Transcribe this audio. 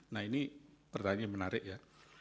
nah ini pertanyaan menarik ya